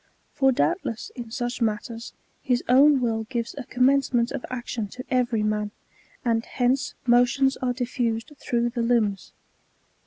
For doubtless, in such matters, his own will gives a com mencement of action to every man ; and hence motions are diffused through the limbs.